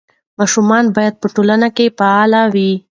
ماشومان باید په ټولنه کې فعال وي.